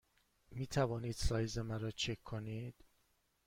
می توانید سایز مرا چک کنید؟